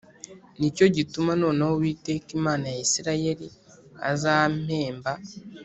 Ni cyo gituma noneho Uwiteka Imana ya Isirayeli azampemba